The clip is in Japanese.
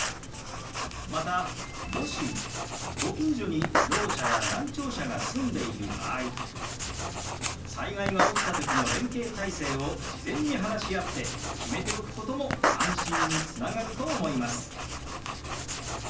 またもしご近所にろう者や難聴者が住んでいる場合災害が起きた時の連携体制を事前に話し合って決めておくことも安心につながると思います。